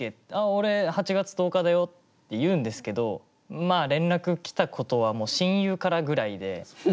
「俺８月１０日だよ」って言うんですけどまあ連絡来たことはもう親友からぐらいで。